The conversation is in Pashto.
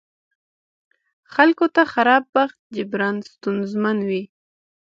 خلکو ته خراب بخت جبران ستونزمن وي.